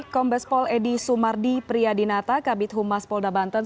kompas pol edi sumardi priadinata kabit humas polda banten